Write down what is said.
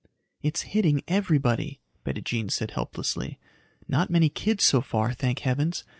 "It's hitting everybody," Bettijean said helplessly. "Not many kids so far, thank heavens.